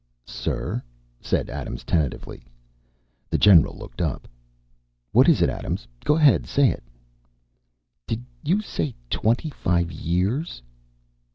"Sir," said Adams tentatively. The general looked up. "What is it, Adams? Go ahead and say it." "Did you say twenty five years?"